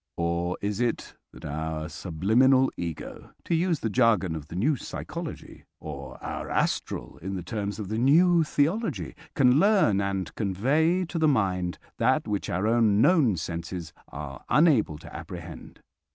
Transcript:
Or is it that our subliminal ego, to use the jargon of the new psychology, or our astral, in the terms of the new theology, can learn and convey to the mind that which our own known senses are unable to apprehend?